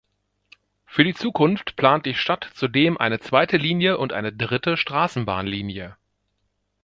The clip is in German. Für die Zukunft plant die Stadt zudem eine zweite Linie und eine dritte Straßenbahnlinie.